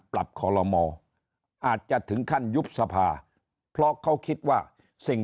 ขอรมออาจจะถึงขั้นยุบสภาเพราะเขาคิดว่าสิ่ง